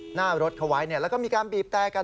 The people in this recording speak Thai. หน้ารถเขาไว้แล้วก็มีการบีบแต่กัน